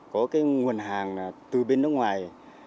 có cái nguồn hàng là từ bên nước ngoài